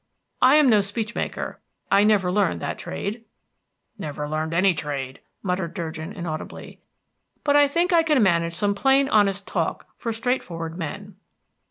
I am no speech maker; I never learned that trade" "Never learned any trade," muttered Durgin, inaudibly. "but I think I can manage some plain, honest talk, for straight forward men."